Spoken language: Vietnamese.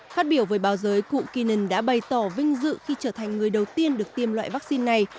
phát biểu với báo giới cụ keenan đã bày tỏ vinh dự khi trở thành người đầu tiên được tiêm loại vaccine này